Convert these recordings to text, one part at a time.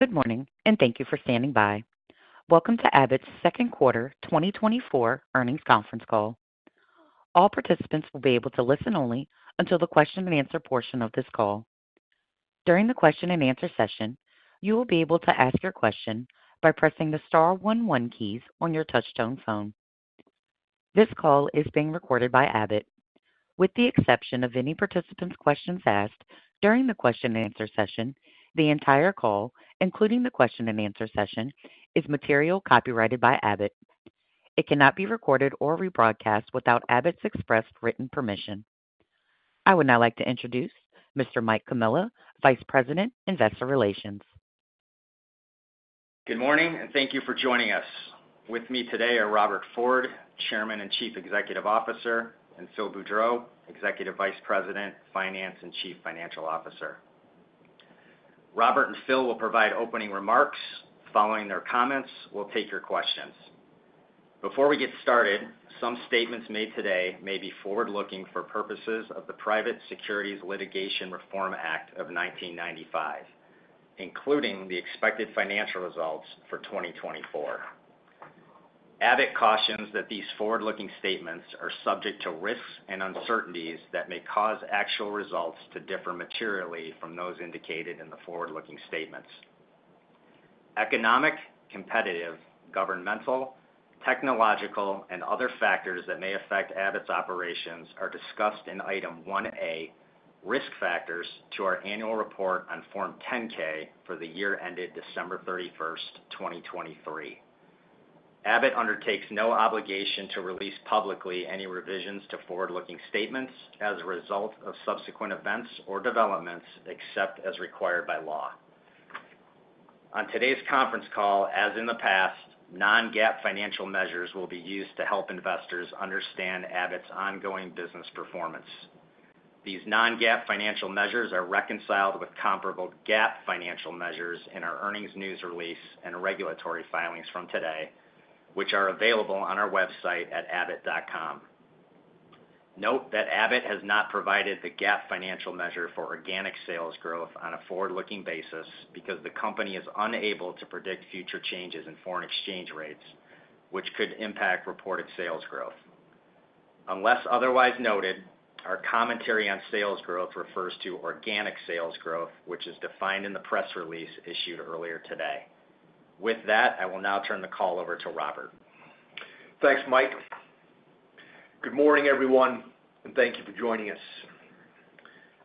Good morning, and thank you for standing by. Welcome to Abbott's Second Quarter 2024 Earnings Conference Call. All participants will be able to listen only until the question and answer portion of this call. During the question and answer session, you will be able to ask your question by pressing the star one one keys on your touchtone phone. This call is being recorded by Abbott. With the exception of any participant's questions asked during the question and answer session, the entire call, including the question and answer session, is material copyrighted by Abbott. It cannot be recorded or rebroadcast without Abbott's express written permission. I would now like to introduce Mr. Mike Comilla, Vice President, Investor Relations. Good morning, and thank you for joining us. With me today are Robert Ford, Chairman and Chief Executive Officer, and Phil Boudreau, Executive Vice President, Finance and Chief Financial Officer. Robert and Phil will provide opening remarks. Following their comments, we'll take your questions. Before we get started, some statements made today may be forward-looking for purposes of the Private Securities Litigation Reform Act of 1995, including the expected financial results for 2024. Abbott cautions that these forward-looking statements are subject to risks and uncertainties that may cause actual results to differ materially from those indicated in the forward-looking statements. Economic, competitive, governmental, technological, and other factors that may affect Abbott's operations are discussed in Item 1A, Risk Factors, to our annual report on Form 10-K for the year ended December 31st, 2023. Abbott undertakes no obligation to release publicly any revisions to forward-looking statements as a result of subsequent events or developments, except as required by law. On today's conference call, as in the past, non-GAAP financial measures will be used to help investors understand Abbott's ongoing business performance. These non-GAAP financial measures are reconciled with comparable GAAP financial measures in our earnings news release and regulatory filings from today, which are available on our website at abbott.com. Note that Abbott has not provided the GAAP financial measure for organic sales growth on a forward-looking basis because the company is unable to predict future changes in foreign exchange rates, which could impact reported sales growth. Unless otherwise noted, our commentary on sales growth refers to organic sales growth, which is defined in the press release issued earlier today. With that, I will now turn the call over to Robert. Thanks, Mike. Good morning, everyone, and thank you for joining us.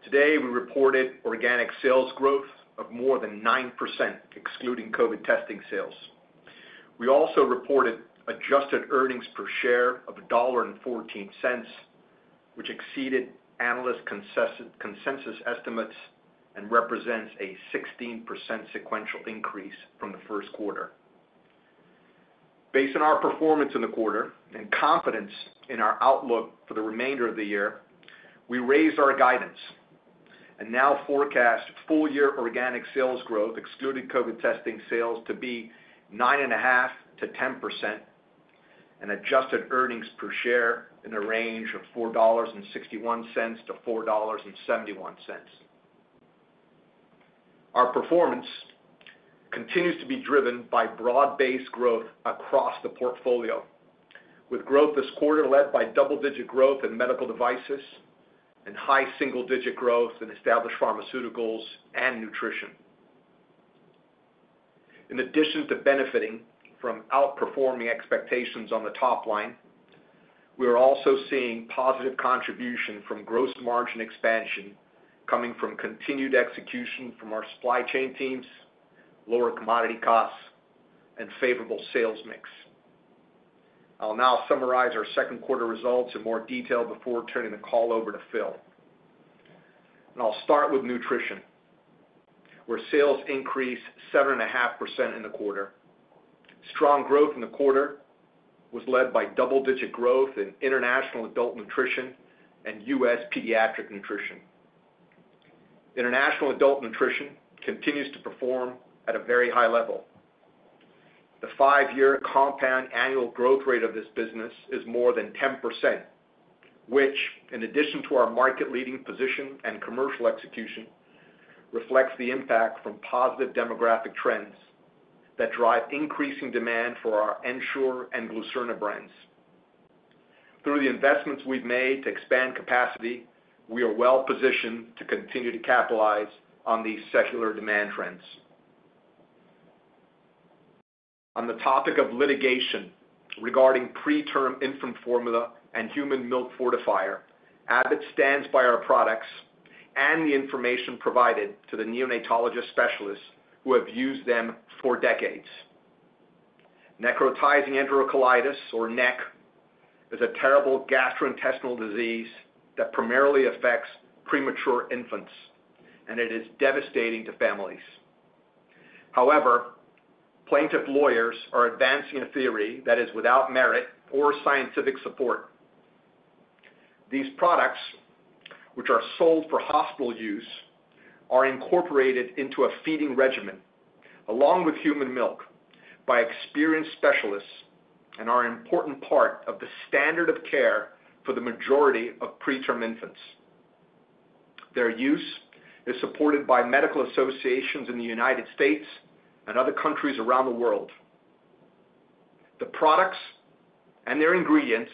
Today, we reported organic sales growth of more than 9%, excluding COVID testing sales. We also reported adjusted earnings per share of $1.14, which exceeded analyst consensus estimates and represents a 16% sequential increase from the first quarter. Based on our performance in the quarter and confidence in our outlook for the remainder of the year, we raised our guidance and now forecast full-year organic sales growth, excluding COVID testing sales, to be 9.5%-10% and adjusted earnings per share in a range of $4.61-$4.71. Our performance continues to be driven by broad-based growth across the portfolio, with growth this quarter led by double-digit growth in medical devices and high single-digit growth in established pharmaceuticals and nutrition. In addition to benefiting from outperforming expectations on the top line, we are also seeing positive contribution from gross margin expansion coming from continued execution from our supply chain teams, lower commodity costs, and favorable sales mix. I'll now summarize our second quarter results in more detail before turning the call over to Phil. I'll start with nutrition, where sales increased 7.5% in the quarter. Strong growth in the quarter was led by double-digit growth in international adult nutrition and U.S. pediatric nutrition. International adult nutrition continues to perform at a very high level. The five year compound annual growth rate of this business is more than 10%, which, in addition to our market-leading position and commercial execution, reflects the impact from positive demographic trends that drive increasing demand for our Ensure and Glucerna brands. Through the investments we've made to expand capacity, we are well positioned to continue to capitalize on these secular demand trends. On the topic of litigation regarding pre-term infant formula and human milk fortifier, Abbott stands by our products and the information provided to the neonatologist specialists who have used them for decades. Necrotizing enterocolitis, or NEC, is a terrible gastrointestinal disease that primarily affects premature infants, and it is devastating to families. However, plaintiff lawyers are advancing a theory that is without merit or scientific support. These products, which are sold for hospital use, are incorporated into a feeding regimen, along with human milk, by experienced specialists and are an important part of the standard of care for the majority of pre-term infants. Their use is supported by medical associations in the United States and other countries around the world. The products and their ingredients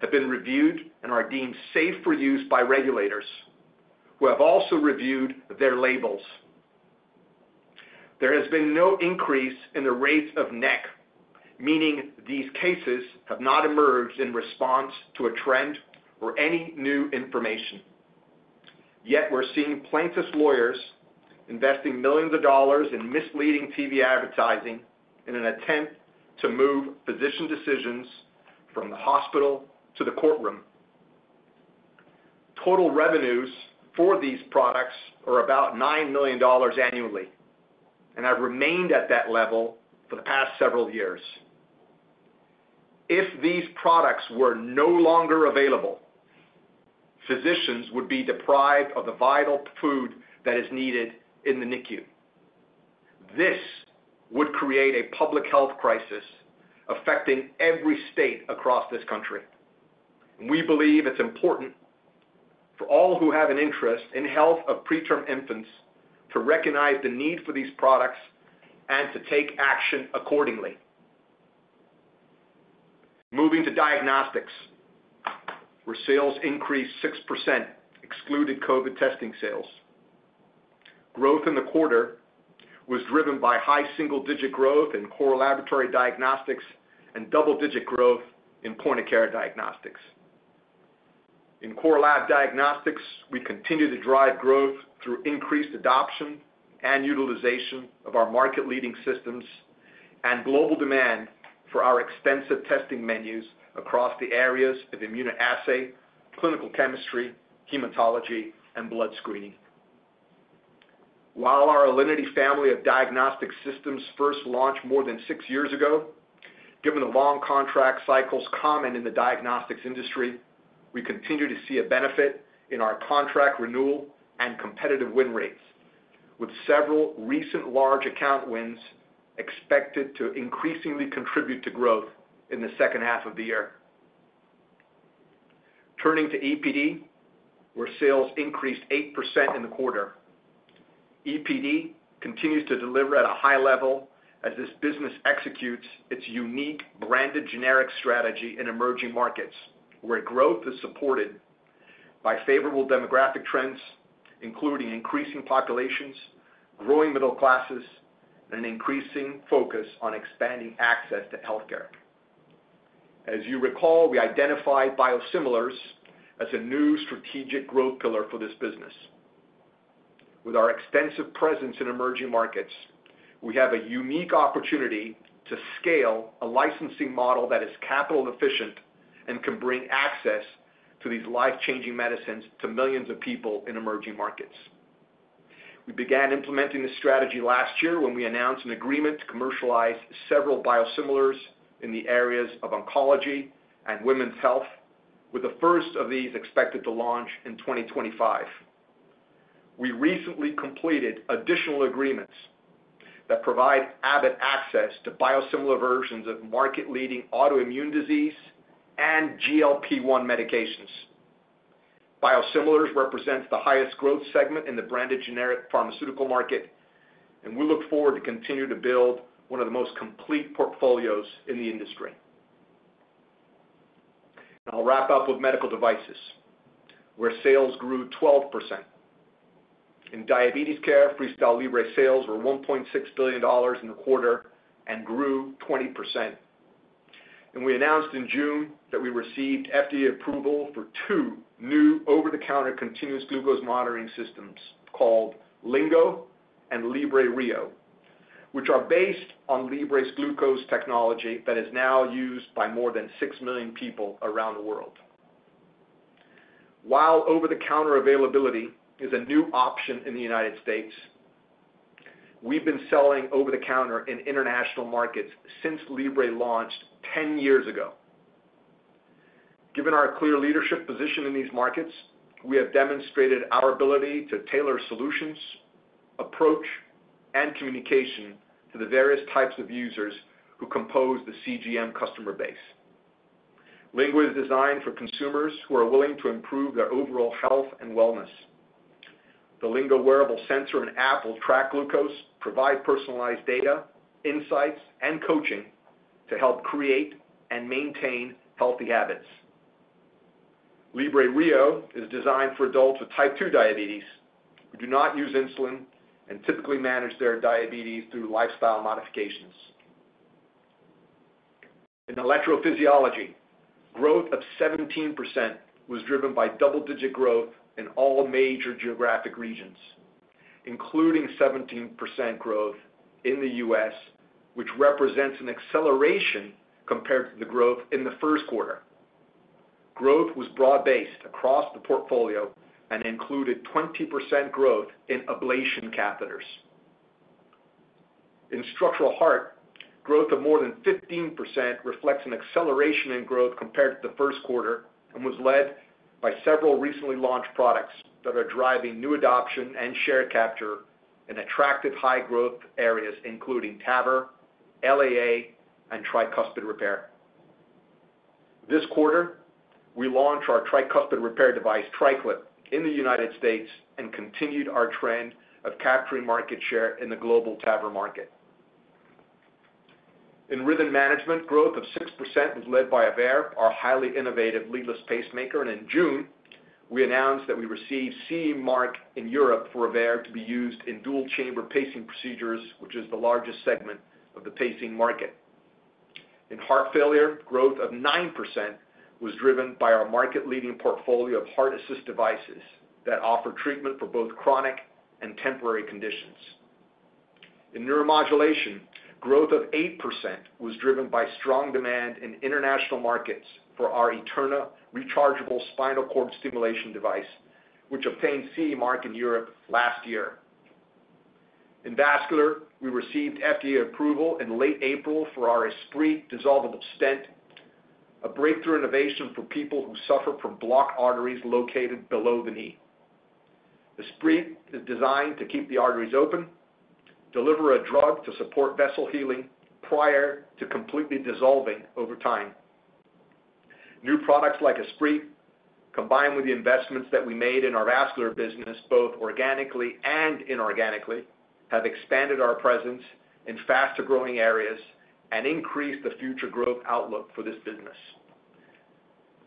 have been reviewed and are deemed safe for use by regulators, who have also reviewed their labels. There has been no increase in the rates of NEC, meaning these cases have not emerged in response to a trend or any new information. Yet we're seeing plaintiffs' lawyers investing millions of dollars in misleading TV advertising in an attempt to move physician decisions from the hospital to the courtroom. Total revenues for these products are about $9 million annually and have remained at that level for the past several years. If these products were no longer available, physicians would be deprived of the vital food that is needed in the NICU. This would create a public health crisis affecting every state across this country. We believe it's important for all who have an interest in health of preterm infants to recognize the need for these products and to take action accordingly. Moving to diagnostics, where sales increased 6%, excluding COVID testing sales. Growth in the quarter was driven by high single-digit growth in core laboratory diagnostics and double-digit growth in point-of-care diagnostics. In core lab diagnostics, we continue to drive growth through increased adoption and utilization of our market-leading systems and global demand for our extensive testing menus across the areas of immunoassay, clinical chemistry, hematology, and blood screening. While our Alinity family of diagnostic systems first launched more than six years ago, given the long contract cycles common in the diagnostics industry, we continue to see a benefit in our contract renewal and competitive win rates, with several recent large account wins expected to increasingly contribute to growth in the second half of the year. Turning to EPD, where sales increased 8% in the quarter. EPD continues to deliver at a high level as this business executes its unique branded generic strategy in emerging markets, where growth is supported by favorable demographic trends, including increasing populations, growing middle classes, and an increasing focus on expanding access to healthcare. As you recall, we identified biosimilars as a new strategic growth pillar for this business. With our extensive presence in emerging markets, we have a unique opportunity to scale a licensing model that is capital efficient and can bring access to these life-changing medicines to millions of people in emerging markets. We began implementing this strategy last year when we announced an agreement to commercialize several biosimilars in the areas of oncology and women's health, with the first of these expected to launch in 2025. We recently completed additional agreements that provide Abbott access to biosimilar versions of market-leading autoimmune disease and GLP-1 medications. Biosimilars represents the highest growth segment in the branded generic pharmaceutical market, and we look forward to continue to build one of the most complete portfolios in the industry. And I'll wrap up with medical devices, where sales grew 12%. In diabetes care, FreeStyle Libre sales were $1.6 billion in the quarter and grew 20%. We announced in June that we received FDA approval for two new over-the-counter continuous glucose monitoring systems called Lingo and Libre Rio, which are based on Libre's glucose technology that is now used by more than 6 million people around the world. While over-the-counter availability is a new option in the United States, we've been selling over the counter in international markets since Libre launched 10 years ago. Given our clear leadership position in these markets, we have demonstrated our ability to tailor solutions, approach, and communication to the various types of users who compose the CGM customer base. Lingo is designed for consumers who are willing to improve their overall health and wellness. The Lingo wearable sensor and app will track glucose, provide personalized data, insights, and coaching to help create and maintain healthy habits. Libre Rio is designed for adults with type 2 diabetes who do not use insulin and typically manage their diabetes through lifestyle modifications. In electrophysiology, growth of 17% was driven by double-digit growth in all major geographic regions, including 17% growth in the U.S., which represents an acceleration compared to the growth in the first quarter. Growth was broad-based across the portfolio and included 20% growth in ablation catheters. In structural heart, growth of more than 15% reflects an acceleration in growth compared to the first quarter and was led by several recently launched products that are driving new adoption and share capture in attractive high-growth areas, including TAVR, LAA, and tricuspid repair. This quarter, we launched our tricuspid repair device, TriClip, in the United States and continued our trend of capturing market share in the global TAVR market. In rhythm management, growth of 6% was led by AVEIR, our highly innovative leadless pacemaker. In June, we announced that we received CE mark in Europe for AVEIR to be used in dual chamber pacing procedures, which is the largest segment of the pacing market. In heart failure, growth of 9% was driven by our market-leading portfolio of heart assist devices that offer treatment for both chronic and temporary conditions. In neuromodulation, growth of 8% was driven by strong demand in international markets for our Eterna rechargeable spinal cord stimulation device, which obtained CE mark in Europe last year. In vascular, we received FDA approval in late April for our Esprit dissolvable stent, a breakthrough innovation for people who suffer from blocked arteries located below the knee. Esprit is designed to keep the arteries open, deliver a drug to support vessel healing prior to completely dissolving over time. New products like Esprit, combined with the investments that we made in our vascular business, both organically and inorganically, have expanded our presence in faster-growing areas and increased the future growth outlook for this business.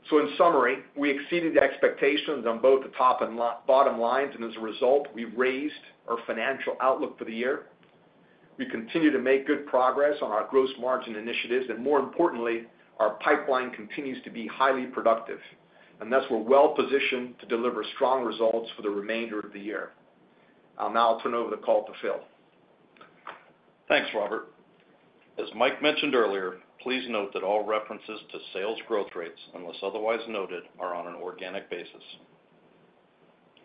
So in summary, we exceeded expectations on both the top and bottom lines, and as a result, we raised our financial outlook for the year. We continue to make good progress on our gross margin initiatives, and more importantly, our pipeline continues to be highly productive, and thus we're well positioned to deliver strong results for the remainder of the year. I'll now turn over the call to Phil. Thanks, Robert. As Mike mentioned earlier, please note that all references to sales growth rates, unless otherwise noted, are on an organic basis.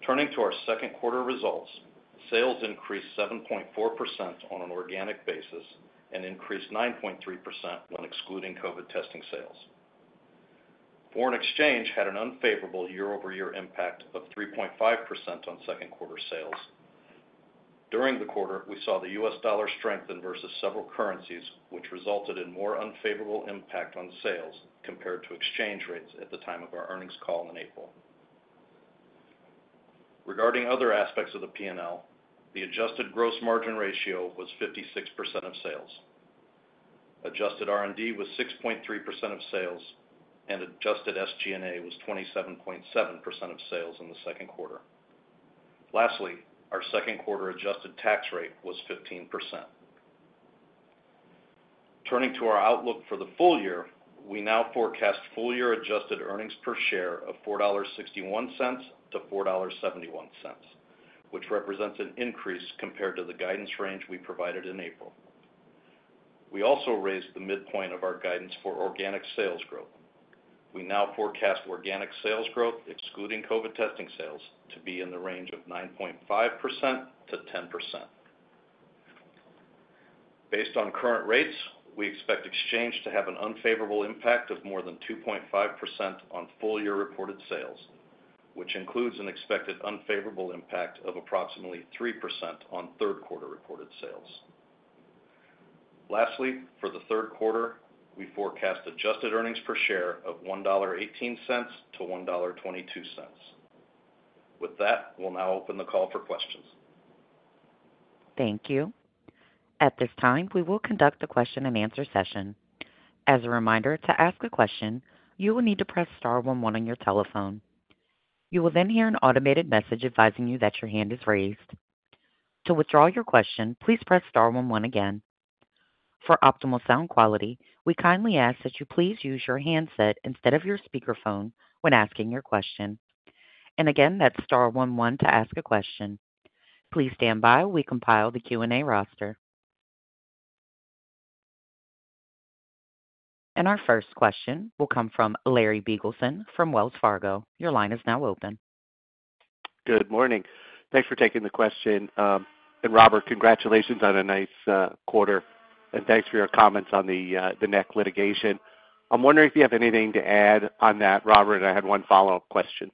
Turning to our second quarter results, sales increased 7.4% on an organic basis and increased 9.3% when excluding COVID testing sales. Foreign exchange had an unfavorable year-over-year impact of 3.5% on second quarter sales. During the quarter, we saw the U.S. dollar strengthen versus several currencies, which resulted in more unfavorable impact on sales compared to exchange rates at the time of our earnings call in April. Regarding other aspects of the P&L, the adjusted gross margin ratio was 56% of sales. Adjusted R&D was 6.3% of sales, and adjusted SG&A was 27.7% of sales in the second quarter. Lastly, our second quarter adjusted tax rate was 15%. Turning to our outlook for the full year, we now forecast full-year adjusted earnings per share of $4.61-$4.71, which represents an increase compared to the guidance range we provided in April. We also raised the midpoint of our guidance for organic sales growth. We now forecast organic sales growth, excluding COVID testing sales, to be in the range of 9.5%-10%. Based on current rates, we expect exchange to have an unfavorable impact of more than 2.5% on full-year reported sales, which includes an expected unfavorable impact of approximately 3% on third quarter reported sales. Lastly, for the third quarter, we forecast adjusted earnings per share of $1.18-$1.22. With that, we'll now open the call for questions. Thank you. At this time, we will conduct a question-and-answer session. As a reminder, to ask a question, you will need to press star one one on your telephone. You will then hear an automated message advising you that your hand is raised. To withdraw your question, please press star one one again. For optimal sound quality, we kindly ask that you please use your handset instead of your speakerphone when asking your question. And again, that's star one one to ask a question. Please stand by while we compile the Q&A roster. And our first question will come from Larry Biegelsen from Wells Fargo. Your line is now open. Good morning. Thanks for taking the question. Robert, congratulations on a nice quarter, and thanks for your comments on the NEC litigation. I'm wondering if you have anything to add on that, Robert. I had one follow-up question.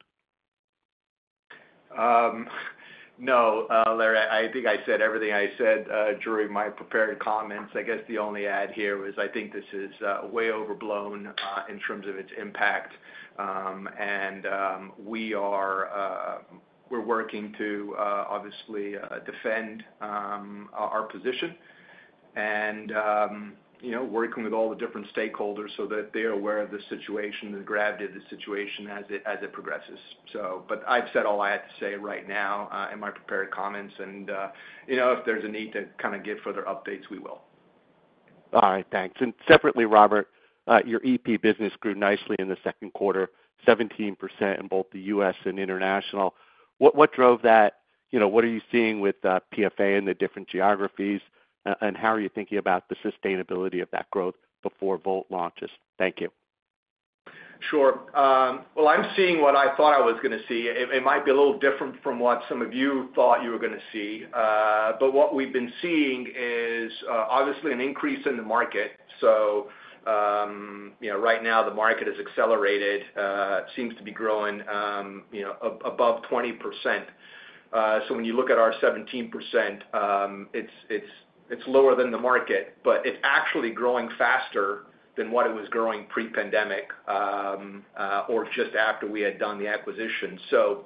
No, Larry, I think I said everything I said during my prepared comments. I guess the only add here is I think this is way overblown in terms of its impact. And we are working to obviously defend our position and you know, working with all the different stakeholders so that they are aware of the situation, the gravity of the situation as it progresses. But I've said all I have to say right now in my prepared comments, and you know, if there's a need to kind of give further updates, we will. All right. Thanks. Separately, Robert, your EP business grew nicely in the second quarter, 17% in both the U.S. and international. What drove that? You know, what are you seeing with PFA in the different geographies, and how are you thinking about the sustainability of that growth before Volt launches? Thank you. Sure. Well, I'm seeing what I thought I was going to see. It might be a little different from what some of you thought you were going to see. But what we've been seeing is obviously an increase in the market. So, you know, right now, the market has accelerated, seems to be growing, you know, above 20%. So when you look at our 17%, it's lower than the market, but it's actually growing faster than what it was growing pre-pandemic, or just after we had done the acquisition. So,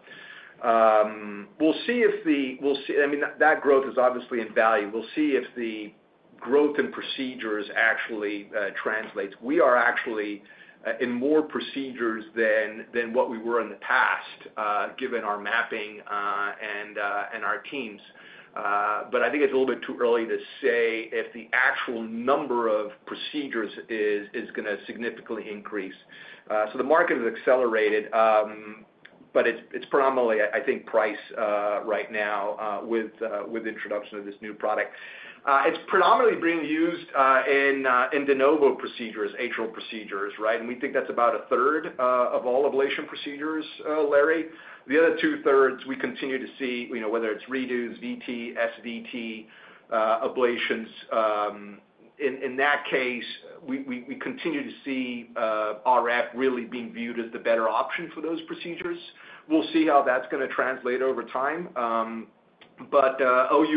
we'll see if we'll see. I mean, that growth is obviously in value. We'll see if the growth in procedures actually translates. We are actually in more procedures than what we were in the past, given our mapping and our teams. But I think it's a little bit too early to say if the actual number of procedures is gonna significantly increase. So the market has accelerated, but it's predominantly, I think, price right now, with the introduction of this new product. It's predominantly being used in de novo procedures, atrial procedures, right? And we think that's about a third of all ablation procedures, Larry. The other two-thirds, we continue to see, you know, whether it's redos, VT, SVT, ablations. In that case, we continue to see RF really being viewed as the better option for those procedures. We'll see how that's gonna translate over time. But, OUS,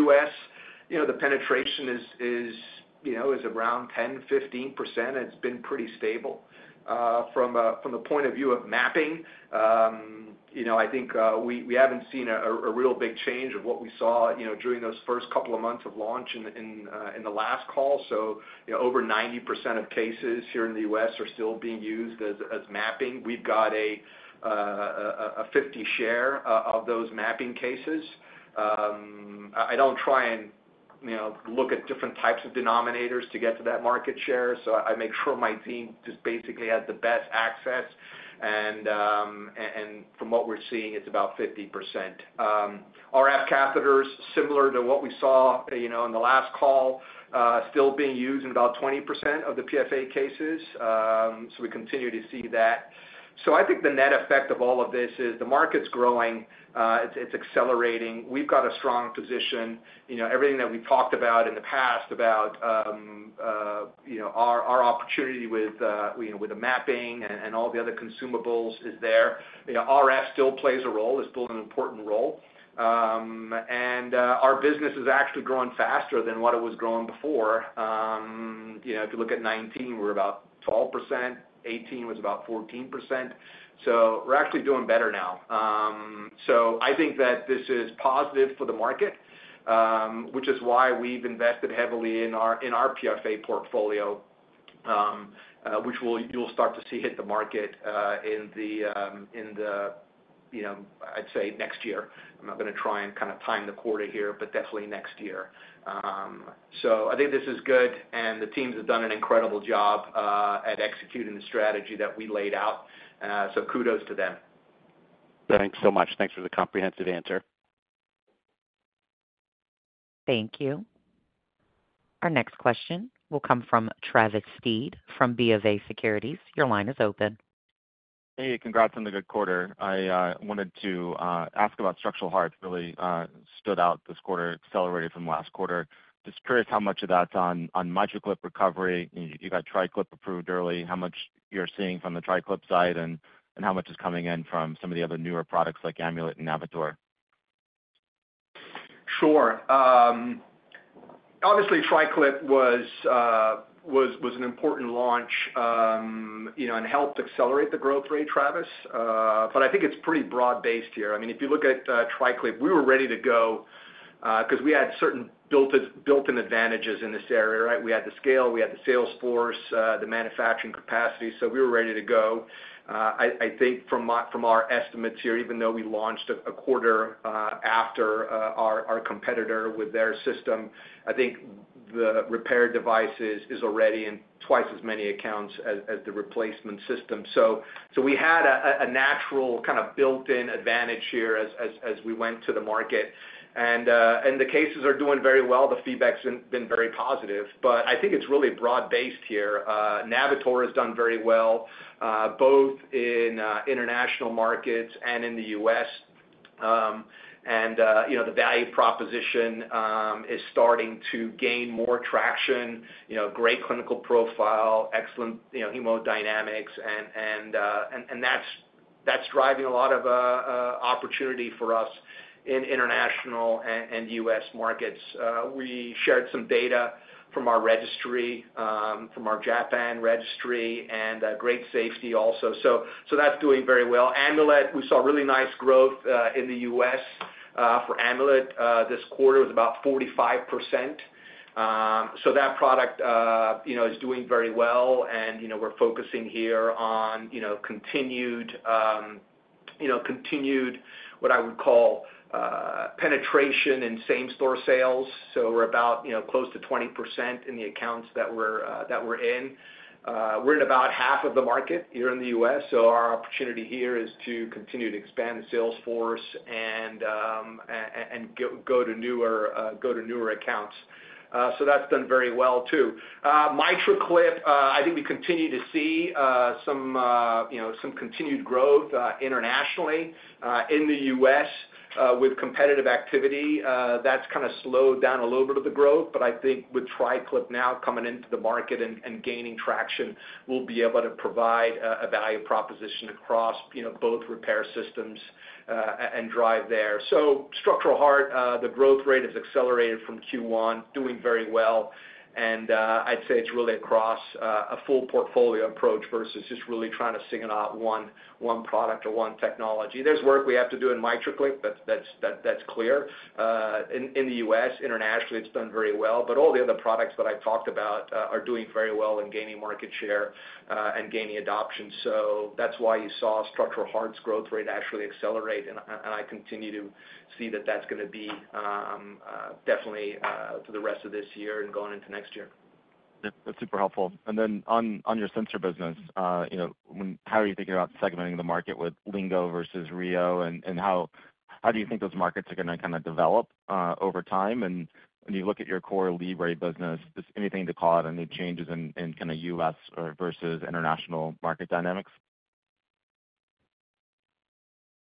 you know, the penetration is, you know, is around 10%-15%. It's been pretty stable. From the point of view of mapping, you know, I think, we haven't seen a real big change of what we saw, you know, during those first couple of months of launch in the last call. So, you know, over 90% of cases here in the U.S. are still being used as mapping. We've got a 50 share of those mapping cases. I don't try and, you know, look at different types of denominators to get to that market share, so I make sure my team just basically has the best access. From what we're seeing, it's about 50%. RF catheters, similar to what we saw, you know, in the last call, still being used in about 20% of the PFA cases. So we continue to see that. So I think the net effect of all of this is the market's growing, it's accelerating. We've got a strong position. You know, everything that we've talked about in the past, about our opportunity with the mapping and all the other consumables is there. You know, RF still plays a role, it's still an important role. Our business is actually growing faster than what it was growing before. You know, if you look at 2019, we're about 12%; 2018 was about 14%. We're actually doing better now. So I think that this is positive for the market, which is why we've invested heavily in our, in our PFA portfolio, which you'll start to see hit the market, in the, in the, you know, I'd say next year. I'm not gonna try and kind of time the quarter here, but definitely next year. So I think this is good, and the teams have done an incredible job at executing the strategy that we laid out, so kudos to them. Thanks so much. Thanks for the comprehensive answer. Thank you. Our next question will come from Travis Steed from BofA Securities. Your line is open. Hey, congrats on the good quarter. I wanted to ask about structural heart really stood out this quarter, accelerated from last quarter. Just curious how much of that's on, on MitraClip recovery. You got TriClip approved early, how much you're seeing from the TriClip side and how much is coming in from some of the other newer products like Amulet and Navitor? Sure. Obviously, TriClip was an important launch, you know, and helped accelerate the growth rate, Travis. But I think it's pretty broad-based here. I mean, if you look at TriClip, we were ready to go because we had certain built-in advantages in this area, right? We had the scale, we had the sales force, the manufacturing capacity, so we were ready to go. I think from our estimates here, even though we launched a quarter after our competitor with their system, I think the repair device is already in twice as many accounts as the replacement system. So we had a natural kind of built-in advantage here as we went to the market. And the cases are doing very well. The feedback's been very positive, but I think it's really broad-based here. Navitor has done very well, both in international markets and in the U.S. You know, the value proposition is starting to gain more traction, you know, great clinical profile, excellent, you know, hemodynamics, and that's driving a lot of opportunity for us in international and U.S. markets. We shared some data from our registry, from our Japan registry, and great safety also. So that's doing very well. Amulet, we saw really nice growth in the U.S. for Amulet. This quarter was about 45%. So that product, you know, is doing very well, and, you know, we're focusing here on, you know, continued, you know, continued, what I would call, penetration in same-store sales. So we're about, you know, close to 20% in the accounts that we're, that we're in. We're in about half of the market here in the U.S., so our opportunity here is to continue to expand the sales force and, and go to newer accounts. So that's done very well, too. MitraClip, I think we continue to see, some, you know, some continued growth, internationally. In the U.S., with competitive activity, that's kind of slowed down a little bit of the growth. But I think with TriClip now coming into the market and gaining traction, we'll be able to provide a value proposition across, you know, both repair systems and drive there. So structural heart, the growth rate has accelerated from Q1, doing very well, and I'd say it's really across a full portfolio approach versus just really trying to single out one product or one technology. There's work we have to do in MitraClip, that's clear in the U.S. Internationally, it's done very well. But all the other products that I've talked about are doing very well and gaining market share and gaining adoption. That's why you saw Structural Heart's growth rate actually accelerate, and I continue to see that that's gonna be definitely for the rest of this year and going into next year. That's super helpful. And then on your sensor business, you know, how are you thinking about segmenting the market with Lingo versus Rio? And how do you think those markets are gonna kind of develop over time? And when you look at your core Libre business, is anything to call out, any changes in kind of U.S. or versus international market dynamics?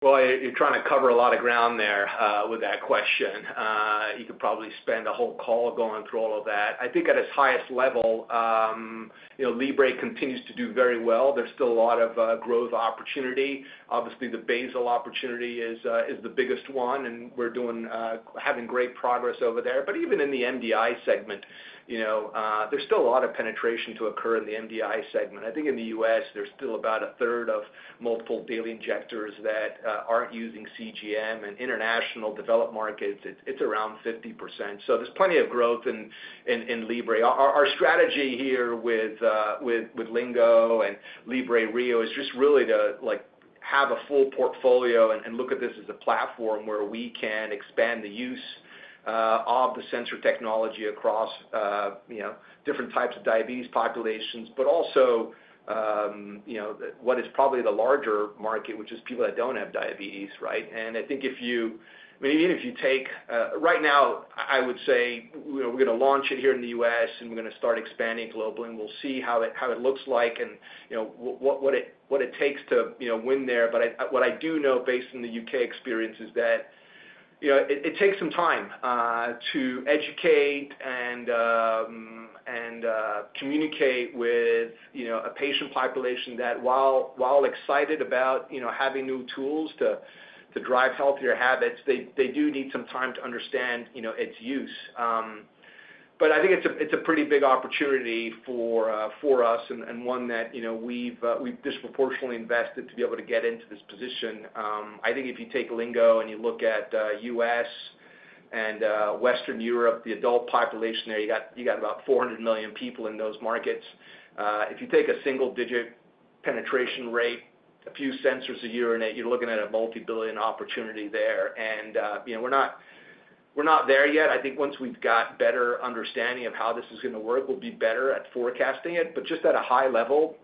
Well, you're trying to cover a lot of ground there, with that question. You could probably spend a whole call going through all of that. I think at its highest level, you know, Libre continues to do very well. There's still a lot of growth opportunity. Obviously, the basal opportunity is the biggest one, and we're doing having great progress over there. But even in the MDI segment, you know, there's still a lot of penetration to occur in the MDI segment. I think in the U.S., there's still about a third of multiple daily injectors that aren't using CGM, and international developed markets, it's around 50%. So there's plenty of growth in Libre. Our strategy here with Lingo and Libre Rio is just really to, like, have a full portfolio and look at this as a platform where we can expand the use of the sensor technology across, you know, different types of diabetes populations, but also, you know, the what is probably the larger market, which is people that don't have diabetes, right? And I think if you I mean, even if you take right now, I would say, you know, we're gonna launch it here in the U.S., and we're gonna start expanding globally, and we'll see how it how it looks like and, you know, what it what it takes to, you know, win there. But I, what I do know, based on the U.K. experience, is that, you know, it takes some time to educate and communicate with, you know, a patient population that while excited about, you know, having new tools to drive healthier habits, they do need some time to understand, you know, its use. But I think it's a pretty big opportunity for us and one that, you know, we've disproportionately invested to be able to get into this position. I think if you take Lingo and you look at U.S. and Western Europe, the adult population there, you got about 400 million people in those markets. If you take a single-digit penetration rate, a few sensors a year, and you're looking at a multi-billion opportunity there. You know, we're not there yet. I think once we've got better understanding of how this is gonna work, we'll be better at forecasting it. But just at a high level,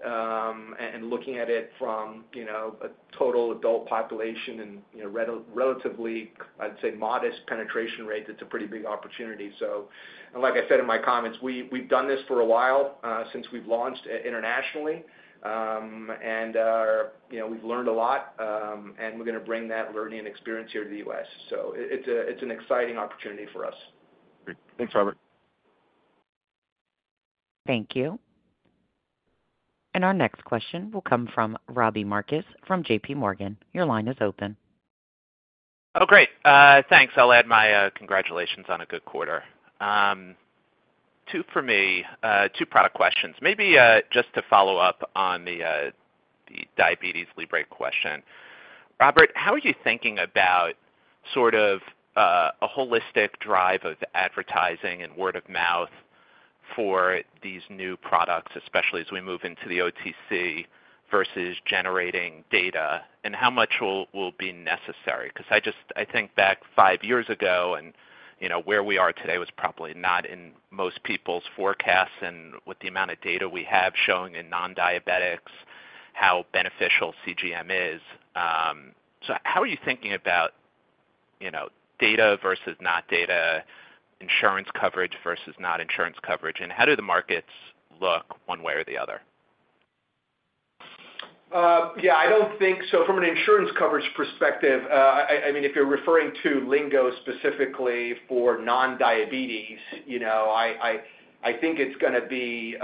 and looking at it from a total adult population and, you know, relatively, I'd say, modest penetration rate, it's a pretty big opportunity. So... And like I said in my comments, we've done this for a while since we've launched internationally, and, you know, we've learned a lot, and we're gonna bring that learning and experience here to the U.S. So it's an exciting opportunity for us. Great. Thanks, Robert. Thank you. Our next question will come from Robbie Marcus from JPMorgan. Your line is open. Oh, great. Thanks. I'll add my congratulations on a good quarter. Two for me, two product questions. Maybe just to follow up on the diabetes Libre question. Robert, how are you thinking about sort of a holistic drive of advertising and word of mouth for these new products, especially as we move into the OTC versus generating data, and how much will be necessary? Because I just, I think back five years ago and, you know, where we are today was probably not in most people's forecasts and with the amount of data we have showing in non-diabetics, how beneficial CGM is. So how are you thinking about, you know, data versus not data, insurance coverage versus not insurance coverage, and how do the markets look one way or the other? Yeah, I don't think so from an insurance coverage perspective, I mean, if you're referring to Lingo specifically for non-diabetes, you know, I think it's gonna be,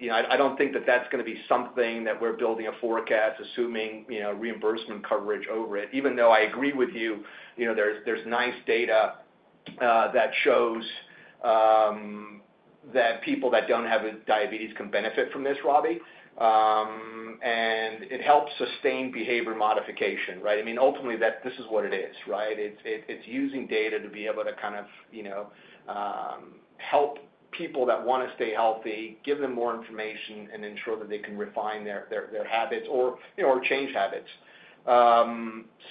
you know, I don't think that's gonna be something that we're building a forecast assuming reimbursement coverage over it. Even though I agree with you, you know, there's nice data that shows that people that don't have diabetes can benefit from this, Robbie. And it helps sustain behavior modification, right? I mean, ultimately, that this is what it is, right? It's using data to be able to kind of, you know, help people that wanna stay healthy, give them more information, and Ensure that they can refine their habits or, you know, or change habits.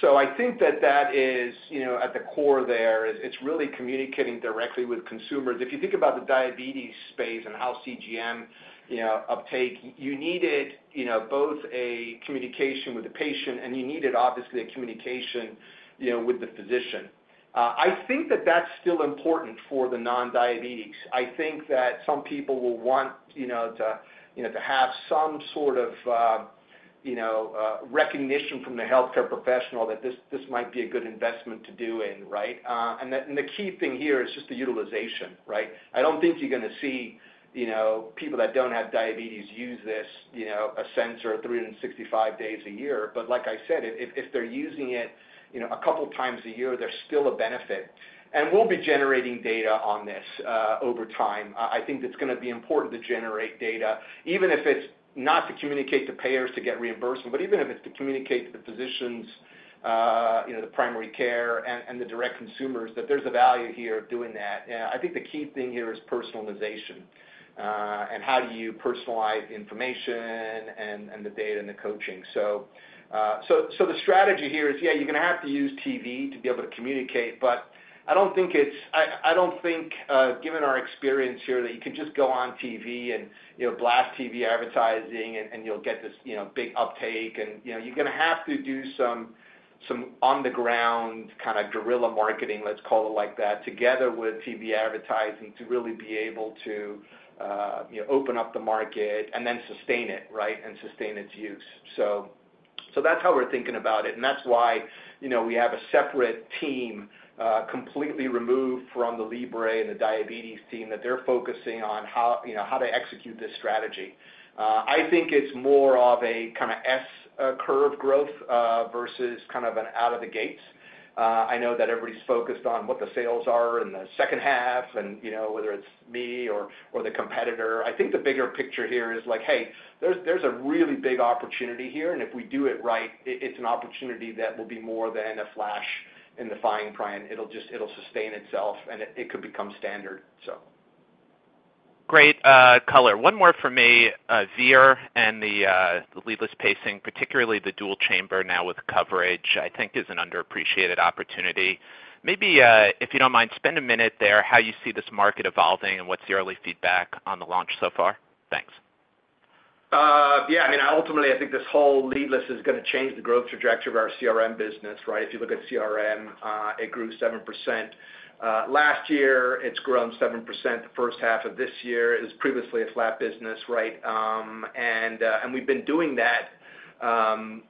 So I think that that is, you know, at the core there. It's really communicating directly with consumers. If you think about the diabetes space and how CGM, you know, uptake, you needed, you know, both a communication with the patient and you needed, obviously, a communication, you know, with the physician. I think that that's still important for the non-diabetics. I think that some people will want, you know, to, you know, to have some sort of, you know, recognition from the healthcare professional that this, this might be a good investment to do in, right? And the key thing here is just the utilization, right? I don't think you're gonna see, you know, people that don't have diabetes use this, you know, a sensor 365 days a year. But like I said, if they're using it, you know, a couple times a year, there's still a benefit. And we'll be generating data on this over time. I think it's gonna be important to generate data, even if it's not to communicate to payers to get reimbursement, but even if it's to communicate to the physicians, you know, the primary care and the direct consumers, that there's a value here of doing that. I think the key thing here is personalization, and how do you personalize information and the data and the coaching. So, the strategy here is, yeah, you're gonna have to use TV to be able to communicate, but I don't think it's—I, I don't think, given our experience here, that you can just go on TV and, you know, blast TV advertising and, and you'll get this, you know, big uptake and. You know, you're gonna have to do some on the ground, kind of guerrilla marketing, let's call it like that, together with TV advertising, to really be able to, you know, open up the market and then sustain it, right? And sustain its use. So, that's how we're thinking about it, and that's why, you know, we have a separate team, completely removed from the Libre and the diabetes team, that they're focusing on how, you know, how to execute this strategy. I think it's more of a kind of S curve growth versus kind of an out of the gates. I know that everybody's focused on what the sales are in the second half and, you know, whether it's me or the competitor. I think the bigger picture here is like, hey, there's a really big opportunity here, and if we do it right, it's an opportunity that will be more than a flash in the frying pan. It'll just sustain itself, and it could become standard, so. Great, color. One more for me. AVEIR and the leadless pacing, particularly the dual chamber now with coverage, I think is an underappreciated opportunity. Maybe, if you don't mind, spend a minute there, how you see this market evolving and what's the early feedback on the launch so far? Thanks. Yeah, I mean, ultimately, I think this whole leadless is gonna change the growth trajectory of our CRM business, right? If you look at CRM, it grew 7%. Last year, it's grown 7%. The first half of this year, it was previously a flat business, right? And we've been doing that,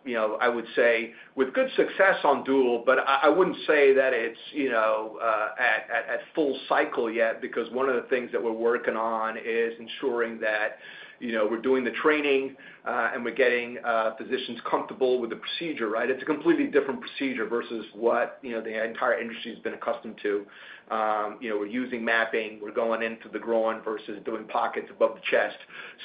you know, I would say with good success on dual, but I wouldn't say that it's, you know, at full cycle yet, because one of the things that we're working on is ensuring that, you know, we're doing the training and we're getting physicians comfortable with the procedure, right? It's a completely different procedure versus what, you know, the entire industry's been accustomed to. You know, we're using mapping, we're going into the groin versus doing pockets above the chest.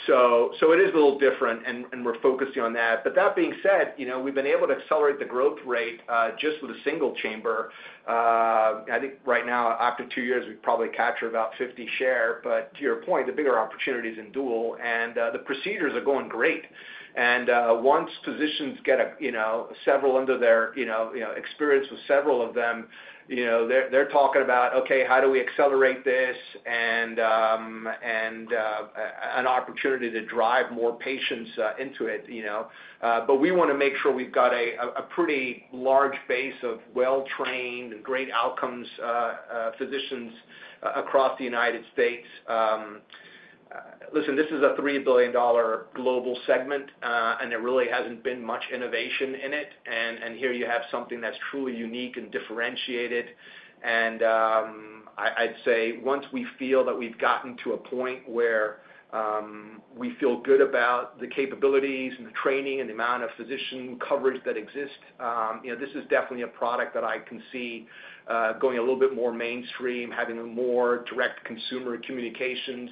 So, it is a little different, and we're focusing on that. But that being said, you know, we've been able to accelerate the growth rate just with a single chamber. I think right now, after two years, we've probably captured about 50 share. But to your point, the bigger opportunity is in dual, and the procedures are going great. And once physicians get, you know, several under their, you know, experience with several of them, you know, they're talking about, "Okay, how do we accelerate this?" And an opportunity to drive more patients into it, you know. But we wanna make sure we've got a pretty large base of well-trained and great outcomes physicians across the United States. Listen, this is a $3 billion global segment, and there really hasn't been much innovation in it. And here you have something that's truly unique and differentiated. And I'd say once we feel that we've gotten to a point where we feel good about the capabilities and the training and the amount of physician coverage that exists, you know, this is definitely a product that I can see going a little bit more mainstream, having a more direct consumer communications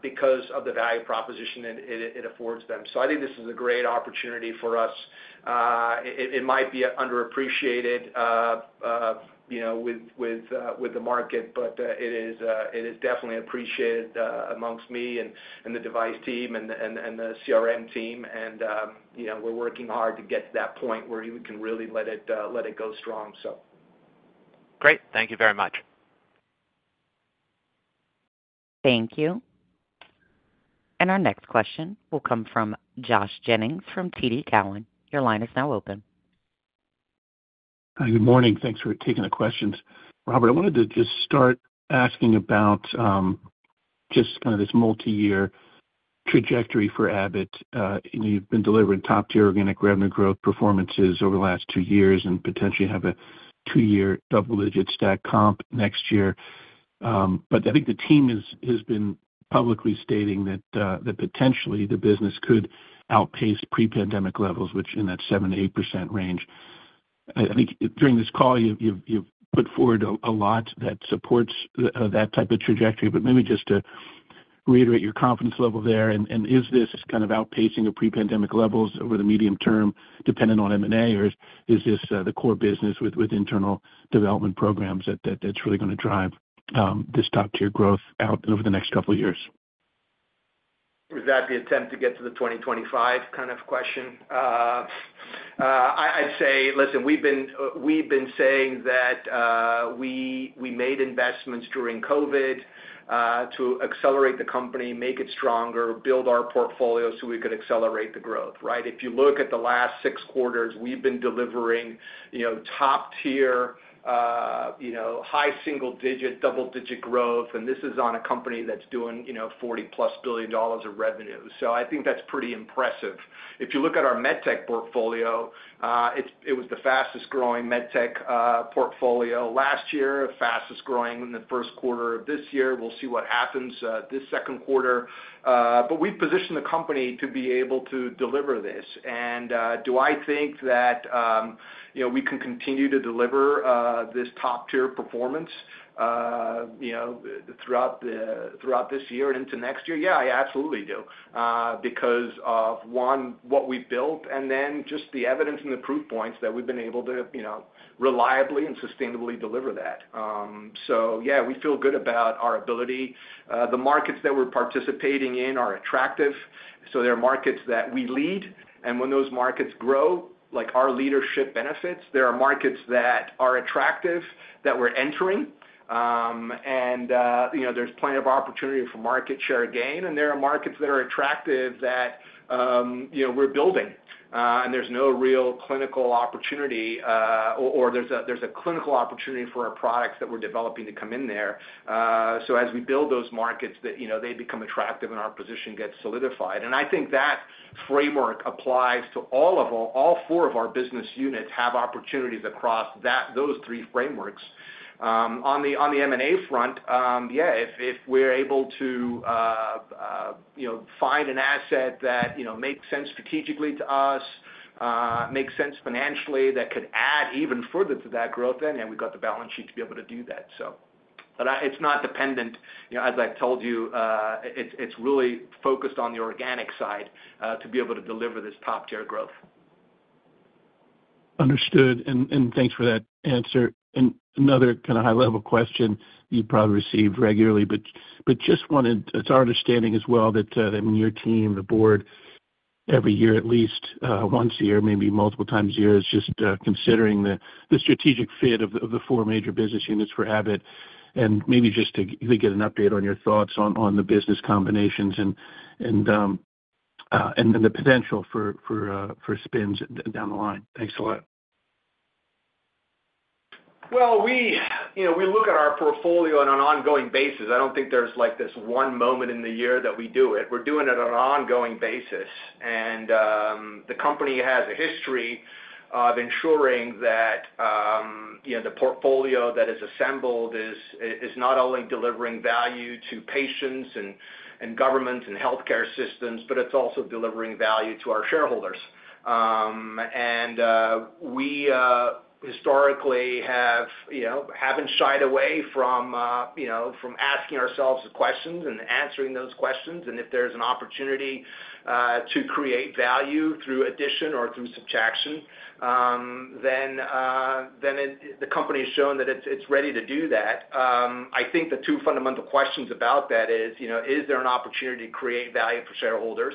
because of the value proposition it affords them. So I think this is a great opportunity for us. It might be underappreciated, you know, with the market, but it is definitely appreciated amongst me and the device team and the CRM team. You know, we're working hard to get to that point where we can really let it go strong, so. Great. Thank you very much. Thank you. Our next question will come from Josh Jennings from TD Cowen. Your line is now open. Hi, good morning. Thanks for taking the questions. Robert, I wanted to just start asking about just kind of this multi-year trajectory for Abbott. You've been delivering top-tier organic revenue growth performances over the last two years and potentially have a two-year double-digit stack comp next year. But I think the team has been publicly stating that potentially the business could outpace pre-pandemic levels, which in that 7%-8% range. I think during this call, you've put forward a lot that supports that type of trajectory. But maybe just to reiterate your confidence level there, and is this kind of outpacing of pre-pandemic levels over the medium term dependent on M&A, or is this the core business with internal development programs that that's really gonna drive this top-tier growth out over the next couple of years? Is that the attempt to get to the 2025 kind of question? I, I'd say... Listen, we've been, we've been saying that made investments during COVID to accelerate the company, make it stronger, build our portfolio so we could accelerate the growth, right? If you look at the last six quarters, we've been delivering, you know, top tier, you know, high single digit, double digit growth, and this is on a company that's doing, you know, $40+ billion of revenue. So I think that's pretty impressive. If you look at our medtech portfolio, it, it was the fastest growing medtech portfolio last year, fastest growing in the first quarter of this year. We'll see what happens, this second quarter. But we've positioned the company to be able to deliver this. Do I think that you know, we can continue to deliver this top tier performance, you know, throughout this year and into next year? Yeah, I absolutely do, because of, one, what we've built, and then just the evidence and the proof points that we've been able to, you know, reliably and sustainably deliver that. So yeah, we feel good about our ability. The markets that we're participating in are attractive, so there are markets that we lead, and when those markets grow, like, our leadership benefits, there are markets that are attractive that we're entering. You know, there's plenty of opportunity for market share gain, and there are markets that are attractive that you know, we're building, and there's no real clinical opportunity, or there's a clinical opportunity for our products that we're developing to come in there. So as we build those markets that you know, they become attractive and our position gets solidified. And I think that framework applies to all four of our business units have opportunities across those three frameworks. On the M&A front, yeah, if we're able to you know, find an asset that you know, makes sense strategically to us, makes sense financially, that could add even further to that growth, then yeah, we've got the balance sheet to be able to do that. But it's not dependent, you know, as I've told you. It's really focused on the organic side to be able to deliver this top tier growth. Understood. And thanks for that answer. And another kind of high-level question you probably receive regularly, but just wanted... It's our understanding as well that when your team, the board, every year, at least once a year, maybe multiple times a year, is just considering the strategic fit of the four major business units for Abbott, and maybe just to get an update on your thoughts on the business combinations and the potential for spins down the line. Thanks a lot. Well, we, you know, we look at our portfolio on an ongoing basis. I don't think there's, like, this one moment in the year that we do it. We're doing it on an ongoing basis, and the company has a history of ensuring that, you know, the portfolio that is assembled is not only delivering value to patients and governments and healthcare systems, but it's also delivering value to our shareholders. And we historically have, you know, haven't shied away from, you know, from asking ourselves the questions and answering those questions. And if there's an opportunity to create value through addition or through subtraction, then the company has shown that it's ready to do that. I think the two fundamental questions about that is, you know, is there an opportunity to create value for shareholders?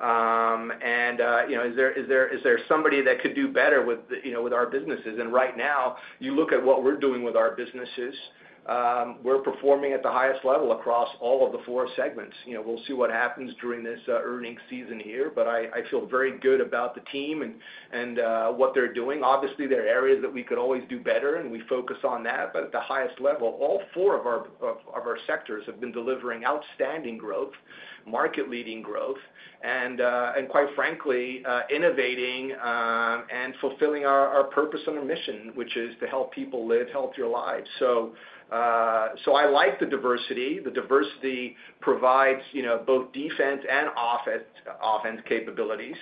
And, you know, is there somebody that could do better with, you know, with our businesses? And right now, you look at what we're doing with our businesses, we're performing at the highest level across all of the four segments. You know, we'll see what happens during this earnings season here, but I feel very good about the team and what they're doing. Obviously, there are areas that we could always do better, and we focus on that. But at the highest level, all four of our sectors have been delivering outstanding growth, market leading growth, and quite frankly, innovating, and fulfilling our purpose and our mission, which is to help people live healthier lives. So I like the diversity. The diversity provides, you know, both defense and offense capabilities.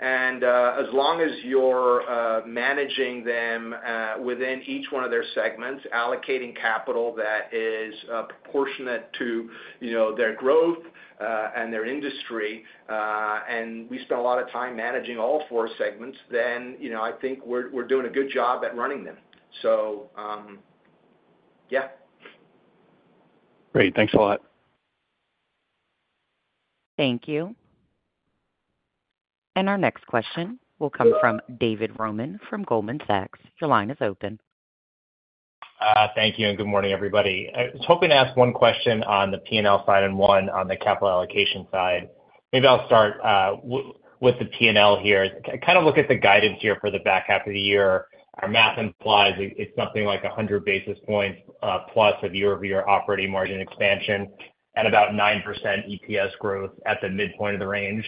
And as long as you're managing them within each one of their segments, allocating capital that is proportionate to, you know, their growth and their industry, and we spend a lot of time managing all four segments, then, you know, I think we're doing a good job at running them. So, yeah. Great. Thanks a lot. Thank you. Our next question will come from David Roman from Goldman Sachs. Your line is open. Thank you, and good morning, everybody. I was hoping to ask one question on the P&L side and one on the capital allocation side. Maybe I'll start with the P&L here. Kind of look at the guidance here for the back half of the year. Our math implies it, it's something like 100 basis points plus a year-over-year operating margin expansion at about 9% EPS growth at the midpoint of the range.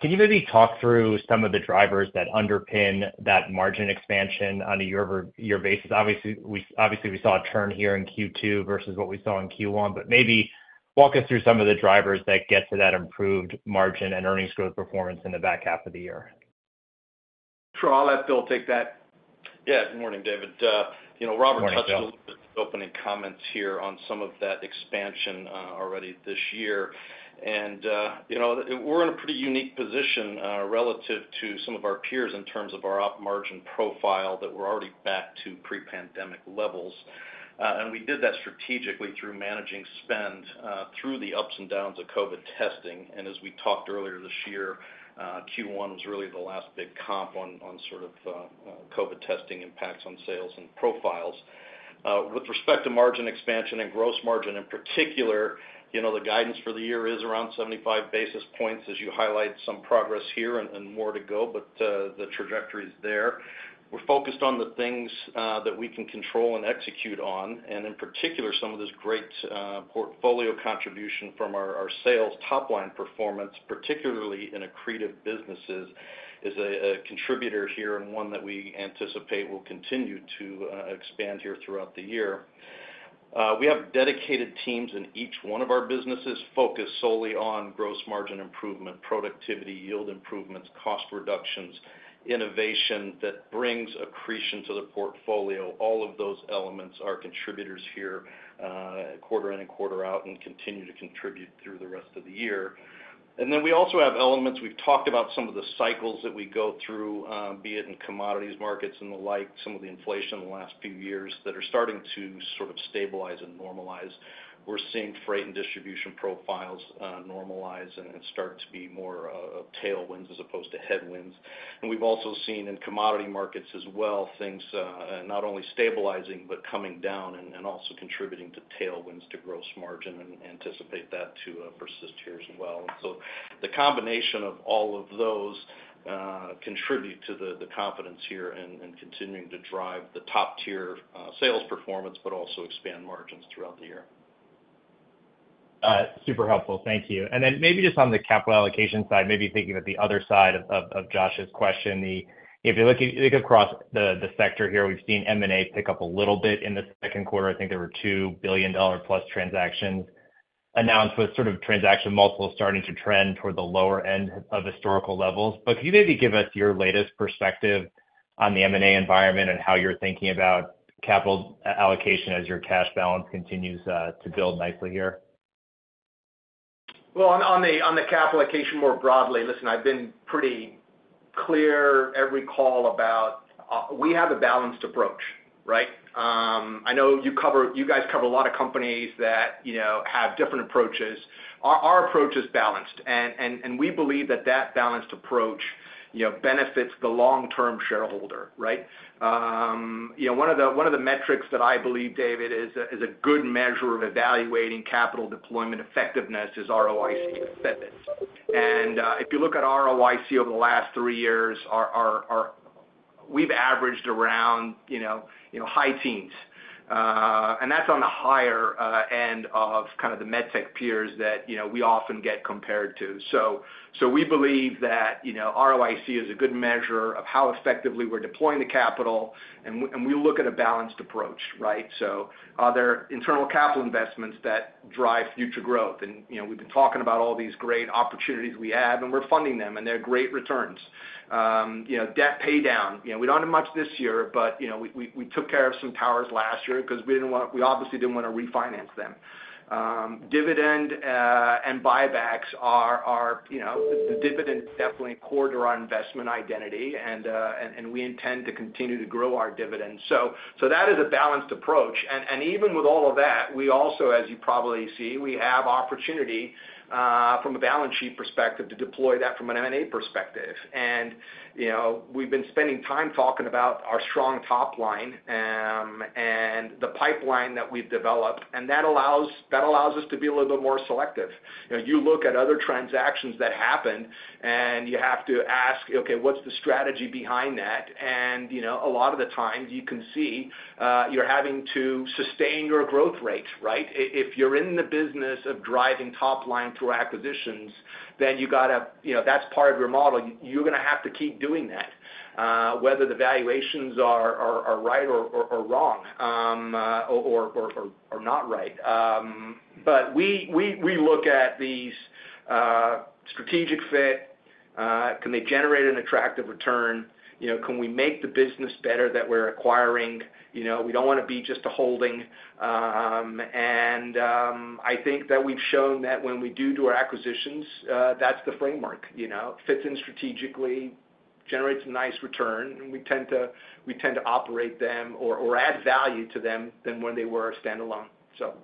Can you maybe talk through some of the drivers that underpin that margin expansion on a year-over-year basis? Obviously, obviously, we saw a turn here in Q2 versus what we saw in Q1, but maybe walk us through some of the drivers that get to that improved margin and earnings growth performance in the back half of the year. Sure. I'll let Phil take that. Yeah. Good morning, David. You know, Robert- Good morning, Phil. Touched a little bit on the opening comments here on some of that expansion already this year. And you know, we're in a pretty unique position relative to some of our peers in terms of our op margin profile, that we're already back to pre-pandemic levels. And we did that strategically through managing spend through the ups and downs of COVID testing. And as we talked earlier this year, Q1 was really the last big comp on sort of COVID testing impacts on sales and profiles. With respect to margin expansion and gross margin in particular, you know, the guidance for the year is around 75 basis points as you highlight some progress here and more to go, but the trajectory is there. We're focused on the things that we can control and execute on, and in particular, some of this great portfolio contribution from our sales top line performance, particularly in accretive businesses, is a contributor here and one that we anticipate will continue to expand here throughout the year. We have dedicated teams in each one of our businesses focused solely on gross margin improvement, productivity, yield improvements, cost reductions, innovation that brings accretion to the portfolio. All of those elements are contributors here, quarter in and quarter out, and continue to contribute through the rest of the year. And then we also have elements. We've talked about some of the cycles that we go through, be it in commodities markets and the like, some of the inflation in the last few years that are starting to sort of stabilize and normalize. We're seeing freight and distribution profiles normalize and start to be more of tailwinds as opposed to headwinds. We've also seen in commodity markets as well, things not only stabilizing, but coming down and also contributing to tailwinds to gross margin and anticipate that to persist here as well. The combination of all of those contribute to the confidence here and continuing to drive the top tier sales performance, but also expand margins throughout the year. Super helpful. Thank you. And then maybe just on the capital allocation side, maybe thinking about the other side of Josh's question, if you look across the sector here, we've seen M&A pick up a little bit in the second quarter. I think there were two $1 billion-plus transactions announced, with sort of transaction multiples starting to trend toward the lower end of historical levels. But can you maybe give us your latest perspective on the M&A environment and how you're thinking about capital allocation as your cash balance continues to build nicely here? Well, on the capital allocation, more broadly, listen, I've been pretty clear every call about we have a balanced approach, right? I know you cover, you guys cover a lot of companies that, you know, have different approaches. Our approach is balanced, and we believe that that balanced approach, you know, benefits the long-term shareholder, right? You know, one of the metrics that I believe, David, is a good measure of evaluating capital deployment effectiveness is ROIC. And if you look at ROIC over the last three years, our we've averaged around, you know, high teens, and that's on the higher end of kind of the medtech peers that, you know, we often get compared to. So we believe that, you know, ROIC is a good measure of how effectively we're deploying the capital, and we look at a balanced approach, right? So are there internal capital investments that drive future growth? And, you know, we've been talking about all these great opportunities we have, and we're funding them, and they're great returns. You know, debt paydown, you know, we don't have much this year, but, you know, we took care of some towers last year because we obviously didn't want to refinance them. Dividend and buybacks are, you know, the dividend is definitely core to our investment identity, and we intend to continue to grow our dividend. So that is a balanced approach. Even with all of that, we also, as you probably see, have opportunity from a balance sheet perspective to deploy that from an M&A perspective. And, you know, we've been spending time talking about our strong top line, and the pipeline that we've developed, and that allows us to be a little bit more selective. You know, you look at other transactions that happened, and you have to ask, "Okay, what's the strategy behind that?" And, you know, a lot of the times you can see, you're having to sustain your growth rate, right? If you're in the business of driving top line through acquisitions, then you gotta, you know, that's part of your model. You're gonna have to keep doing that, whether the valuations are right or wrong, or not right. But we look at these strategic fit, can they generate an attractive return? You know, can we make the business better that we're acquiring? You know, we don't want to be just a holding. And I think that we've shown that when we do our acquisitions, that's the framework, you know, fits in strategically, generates a nice return, and we tend to operate them or add value to them than when they were standalone, so.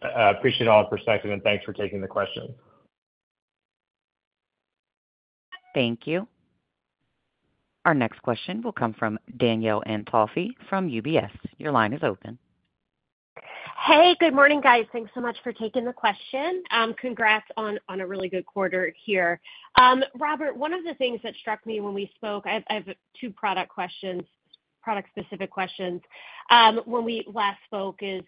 Appreciate all the perspective, and thanks for taking the question. Thank you. Our next question will come from Danielle Antalffy from UBS. Your line is open. Hey, good morning, guys. Thanks so much for taking the question. Congrats on a really good quarter here. Robert, one of the things that struck me when we spoke, I have two product questions, product-specific questions. When we last spoke is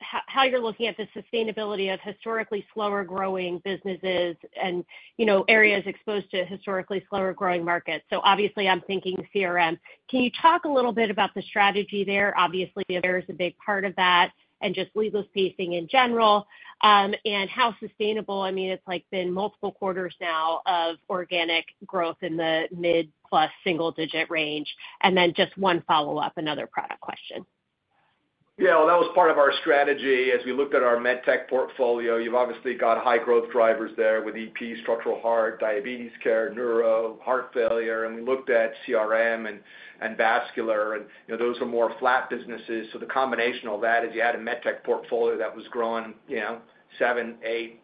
how you're looking at the sustainability of historically slower growing businesses and, you know, areas exposed to historically slower growing markets. So obviously, I'm thinking CRM. Can you talk a little bit about the strategy there? Obviously, there is a big part of that and just leadless pacing in general, and how sustainable. I mean, it's like been multiple quarters now of organic growth in the mid plus single digit range. And then just one follow-up, another product question. Yeah, well, that was part of our strategy. As we looked at our medtech portfolio, you've obviously got high growth drivers there with EP, structural heart, diabetes care, neuro, heart failure, and we looked at CRM and vascular, and you know, those are more flat businesses. So the combination of that is you had a medtech portfolio that was growing, you know, 7%,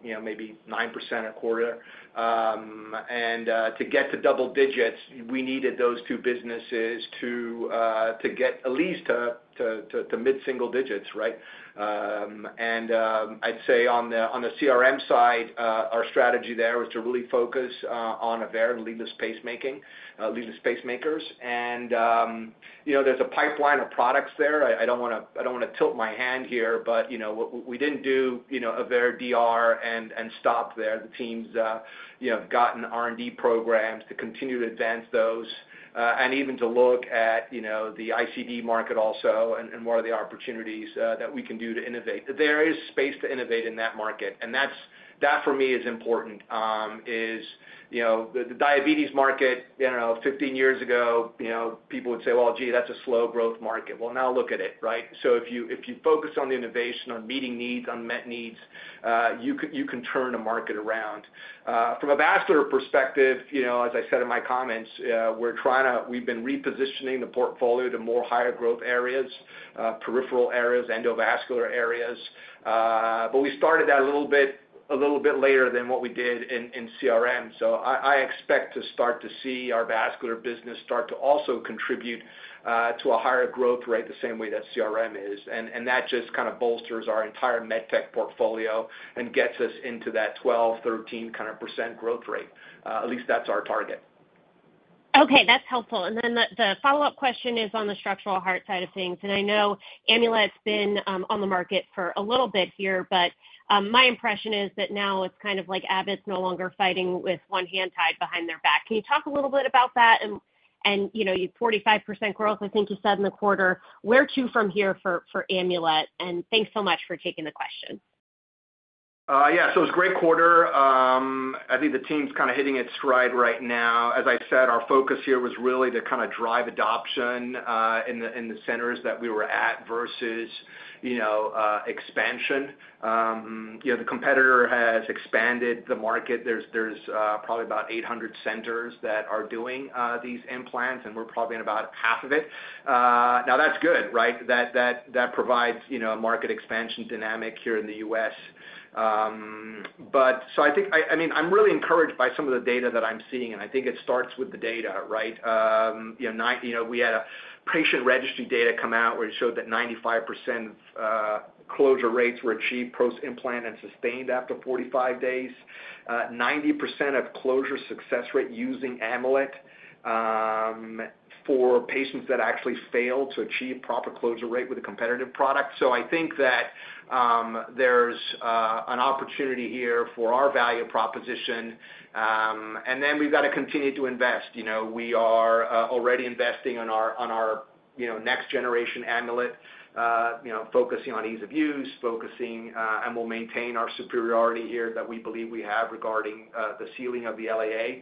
8%, maybe 9% a quarter. And to get to double digits, we needed those two businesses to get at least to mid-single digits, right? I'd say on the CRM side, our strategy there was to really focus on AVEIR leadless pacemaker, leadless pacemakers. And you know, there's a pipeline of products there. I don't want to tilt my hand here, but, you know, we didn't do, you know, AVEIR DR and stop there. The team's, you know, gotten R&D programs to continue to advance those, and even to look at, you know, the ICD market also and what are the opportunities that we can do to innovate. There is space to innovate in that market, and that's, that for me, is important, is, you know, the diabetes market, you know, 15 years ago, you know, people would say, "Well, gee, that's a slow growth market." Well, now look at it, right? So if you focus on the innovation, on meeting needs, unmet needs, you can turn a market around. From a vascular perspective, you know, as I said in my comments, we're trying to... We've been repositioning the portfolio to more higher growth areas, peripheral areas, endovascular areas. But we started that a little bit, a little bit later than what we did in, in CRM. So I, I expect to start to see our vascular business start to also contribute to a higher growth rate, the same way that CRM is. And, and that just kind of bolsters our entire medtech portfolio and gets us into that 12%-13% kind of growth rate. At least that's our target. Okay, that's helpful. And then the follow-up question is on the structural heart side of things, and I know Amulet's been on the market for a little bit here, but my impression is that now it's kind of like Abbott's no longer fighting with one hand tied behind their back. Can you talk a little bit about that and, you know, you've 45% growth, I think you said, in the quarter. Where to from here for Amulet? And thanks so much for taking the question. Yeah, so it's a great quarter. I think the team's kind of hitting its stride right now. As I said, our focus here was really to kind of drive adoption in the centers that we were at versus, you know, expansion. You know, the competitor has expanded the market. There's probably about 800 centers that are doing these implants, and we're probably in about half of it. Now that's good, right? That provides, you know, a market expansion dynamic here in the U.S. But so I think. I mean, I'm really encouraged by some of the data that I'm seeing, and I think it starts with the data, right? You know, we had a patient registry data come out, where it showed that 95% closure rates were achieved post-implant and sustained after 45 days. 90% of closure success rate using Amulet for patients that actually failed to achieve proper closure rate with a competitive product. So I think that, there's an opportunity here for our value proposition, and then we've got to continue to invest. You know, we are already investing on our, on our, you know, next generation Amulet, you know, focusing on ease of use, focusing, and we'll maintain our superiority here that we believe we have regarding the sealing of the LAA.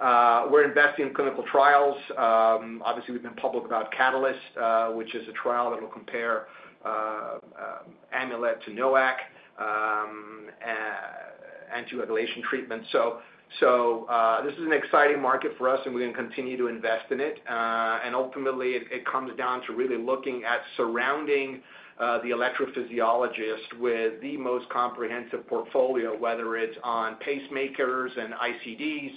We're investing in clinical trials. Obviously, we've been public about Catalyst, which is a trial that will compare Amulet to NOAC, anticoagulation treatment. So, this is an exciting market for us, and we're going to continue to invest in it. Ultimately, it comes down to really looking at surrounding the electrophysiologist with the most comprehensive portfolio, whether it's on pacemakers and ICDs,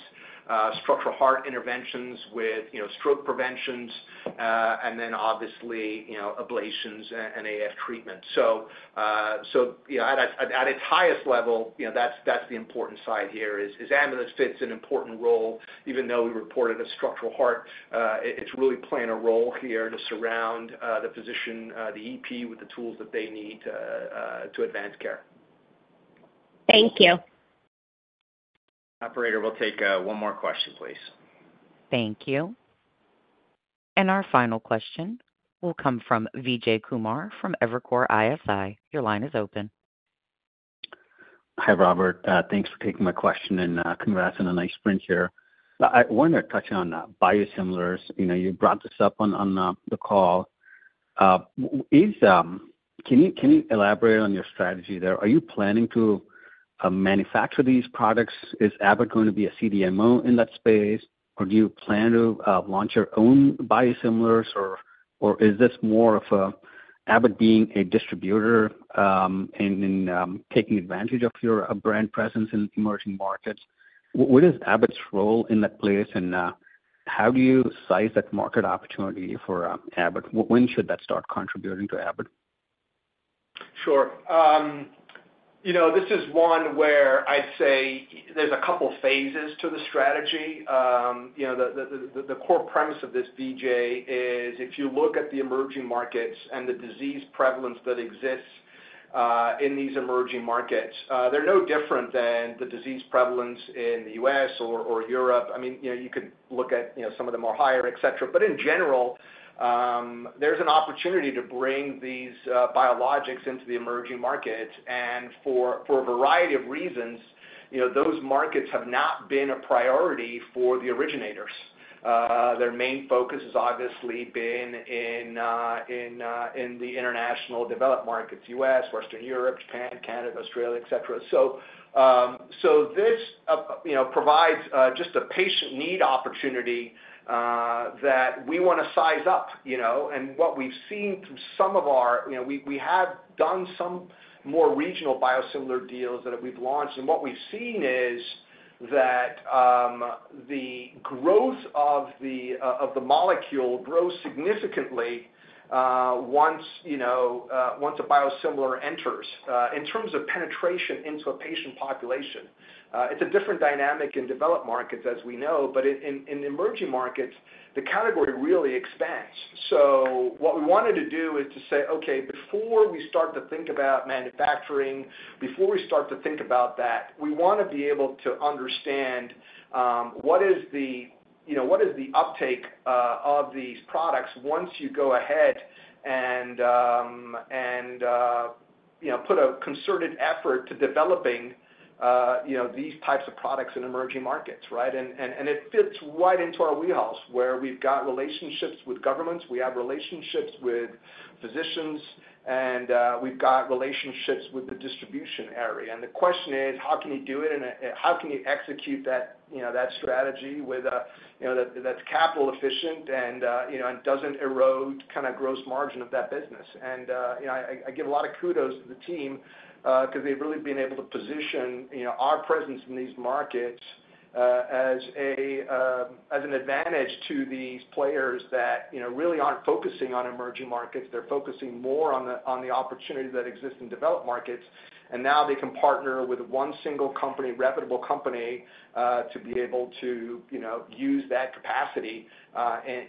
structural heart interventions with, you know, stroke preventions, and then obviously, you know, ablations and AF treatment. So, you know, at its highest level, you know, that's the important side here, is Amulet fits an important role. Even though we reported a structural heart, it's really playing a role here to surround the physician, the EP with the tools that they need to advance care. Thank you. Operator, we'll take one more question, please. Thank you. And our final question will come from Vijay Kumar from Evercore ISI. Your line is open. Hi, Robert. Thanks for taking my question, and congrats on a nice sprint here. I wonder, touching on biosimilars, you know, you brought this up on the call. Can you, can you elaborate on your strategy there? Are you planning to manufacture these products? Is Abbott going to be a CDMO in that space, or do you plan to launch your own biosimilars, or, or is this more of Abbott being a distributor, and then taking advantage of your brand presence in emerging markets? What is Abbott's role in that space, and how do you size that market opportunity for Abbott? When should that start contributing to Abbott? Sure. You know, this is one where I'd say there's a couple phases to the strategy. You know, the core premise of this, Vijay, is if you look at the emerging markets and the disease prevalence that exists in these emerging markets, they're no different than the disease prevalence in the U.S. or Europe. I mean, you know, you could look at, you know, some of them are higher, et cetera. But in general, there's an opportunity to bring these biologics into the emerging markets, and for a variety of reasons, you know, those markets have not been a priority for the originators. Their main focus has obviously been in the international developed markets, U.S., Western Europe, Japan, Canada, Australia, et cetera. So, this, you know, provides just a patient need opportunity that we want to size up, you know? And what we've seen from some of our—you know, we have done some more regional biosimilar deals that we've launched, and what we've seen is that the growth of the molecule grows significantly once, you know, once a biosimilar enters. In terms of penetration into a patient population, it's a different dynamic in developed markets, as we know, but in emerging markets, the category really expands. So what we wanted to do is to say, "Okay, before we start to think about manufacturing, before we start to think about that, we want to be able to understand, what is the, you know, what is the uptake of these products once you go ahead and, you know, put a concerted effort to developing, you know, these types of products in emerging markets," right? And it fits right into our wheelhouse, where we've got relationships with governments, we have relationships with physicians, and we've got relationships with the distribution area. And the question is, how can you do it and how can you execute that, you know, that strategy with, you know, that's capital efficient and, you know, and doesn't erode kind of gross margin of that business? And, you know, I give a lot of kudos to the team, because they've really been able to position, you know, our presence in these markets, as an advantage to these players that, you know, really aren't focusing on emerging markets. They're focusing more on the opportunities that exist in developed markets, and now they can partner with one single company, reputable company, to be able to, you know, use that capacity,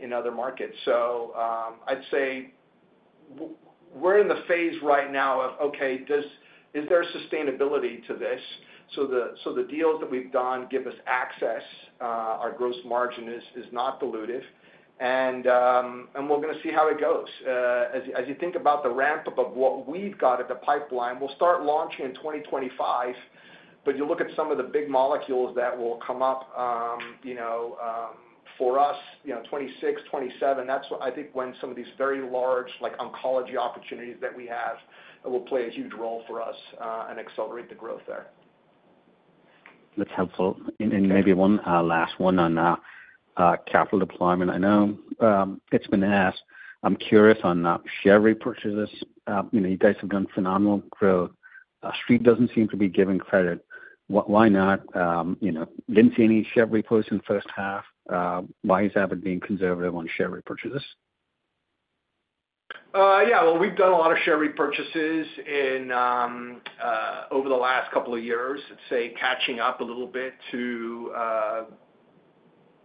in other markets. So, I'd say we're in the phase right now of, okay, is there sustainability to this? So the deals that we've done give us access. Our gross margin is not dilutive, and we're going to see how it goes. As you think about the ramp-up of what we've got at the pipeline, we'll start launching in 2025, but you look at some of the big molecules that will come up, you know, for us, you know, 2026, 2027, that's what I think when some of these very large, like, oncology opportunities that we have, will play a huge role for us, and accelerate the growth there. That's helpful. Maybe one last one on capital deployment. I know, it's been asked. I'm curious on share repurchases. You know, you guys have done phenomenal growth. Street doesn't seem to be giving credit. Why not? You know, didn't see any share repurchase in the first half. Why is Abbott being conservative on share repurchases? Yeah, well, we've done a lot of share repurchases in over the last couple of years. Let's say catching up a little bit to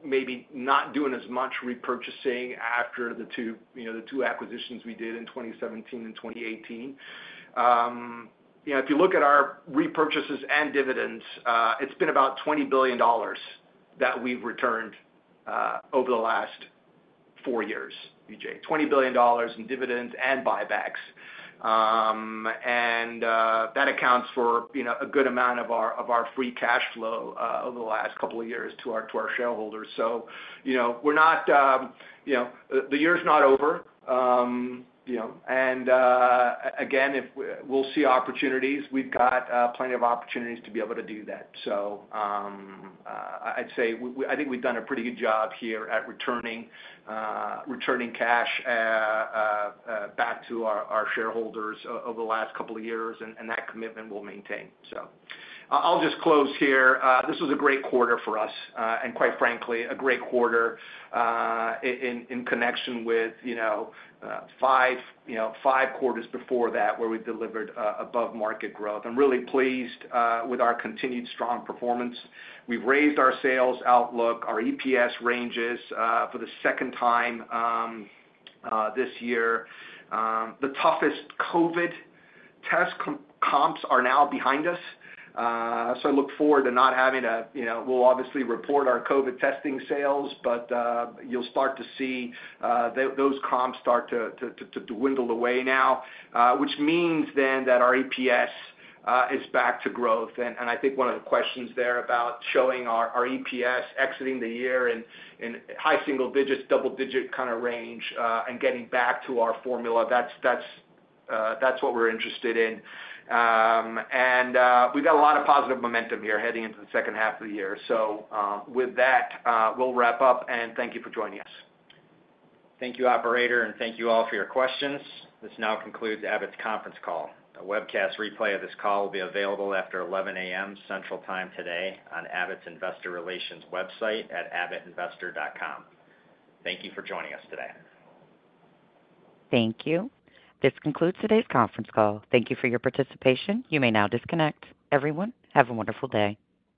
maybe not doing as much repurchasing after the two, you know, the two acquisitions we did in 2017 and 2018. You know, if you look at our repurchases and dividends, it's been about $20 billion that we've returned over the last four years, Vijay. $20 billion in dividends and buybacks. And that accounts for, you know, a good amount of our, of our free cash flow over the last couple of years to our, to our shareholders. So, you know, we're not, you know. The year's not over. You know, and again, if we'll see opportunities. We've got plenty of opportunities to be able to do that. So, I'd say we—I think we've done a pretty good job here at returning cash back to our shareholders over the last couple of years, and that commitment we'll maintain. So I'll just close here. This was a great quarter for us, and quite frankly, a great quarter in connection with you know, five you know, five quarters before that, where we delivered above-market growth. I'm really pleased with our continued strong performance. We've raised our sales outlook, our EPS ranges for the second time this year. The toughest COVID test comps are now behind us. So I look forward to not having to you know... We'll obviously report our COVID testing sales, but you'll start to see those comps start to dwindle away now, which means then that our EPS is back to growth. And I think one of the questions there about showing our EPS exiting the year in high single digits, double digit kind of range, and getting back to our formula, that's what we're interested in. And we've got a lot of positive momentum here heading into the second half of the year. So with that, we'll wrap up, and thank you for joining us. Thank you, operator, and thank you all for your questions. This now concludes Abbott's conference call. A webcast replay of this call will be available after 11 A.M. Central Time today on Abbott's Investor Relations website at abbottinvestor.com. Thank you for joining us today. Thank you. This concludes today's conference call. Thank you for your participation. You may now disconnect. Everyone, have a wonderful day.